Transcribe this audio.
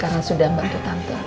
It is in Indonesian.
karena sudah membantu tante